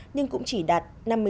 nhưng cũng chỉ đạt năm mươi chín hai